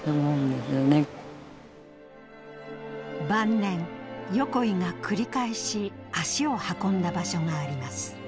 晩年横井が繰り返し足を運んだ場所があります。